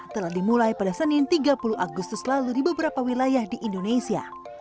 telah dimulai pada senin tiga puluh agustus lalu di beberapa wilayah di indonesia